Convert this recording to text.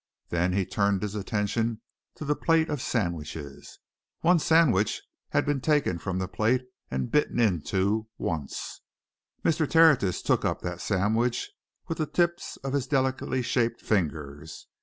Then he turned his attention to the plate of sandwiches. One sandwich had been taken from the plate and bitten into once. Mr. Tertius took up that sandwich with the tips of his delicately shaped fingers.